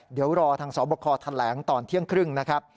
เดี๋ยวรอทางสบธรรแหลงตอนเที่ยงครึ่ง